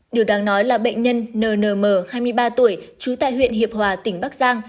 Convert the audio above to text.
điều đáng nói là bệnh nhân nnm hai mươi ba tuổi trú tại huyện hiệp hòa tỉnh bắc giang